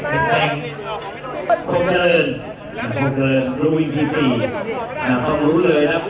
คนเจริญคนเจริญรุ่งวิ่งที่สี่น้องต้องรู้เลยครับ